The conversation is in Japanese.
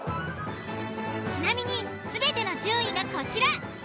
ちなみに全ての順位がこちら。